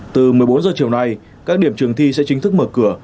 từ một mươi bốn h chiều nay các điểm trường thi sẽ chính thức mở cửa